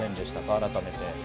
改めて。